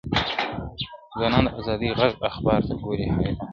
ځوانان د ازادۍ غږ اخبار ته ګوري حيران-